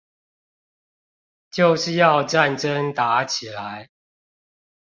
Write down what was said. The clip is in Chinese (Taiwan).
就是要戰爭打起來